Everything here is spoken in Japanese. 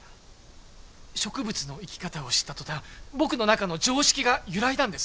植物の生き方を知った途端僕の中の常識が揺らいだんです。